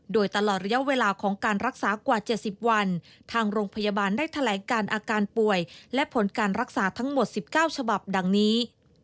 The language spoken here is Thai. โดยตลอดระยะเวลาของการรักษากว่า๗๐วันทางโรงพยาบาลได้แถลงการอาการป่วยและผลการรักษาทั้งหมด๑๙ฉบับดังนี้